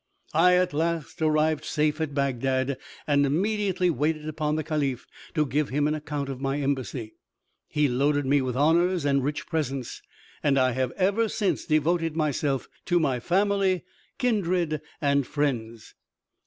I at last arrived safe at Bagdad, and immediately waited upon the caliph, to give him an account of my embassy. He loaded me with honors and rich presents, and I have ever since devoted myself to my family, kindred, and friends.